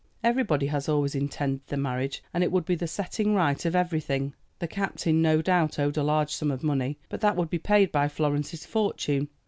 Everybody had always intended the marriage, and it would be the setting right of everything. The captain, no doubt, owed a large sum of money, but that would be paid by Florence's fortune.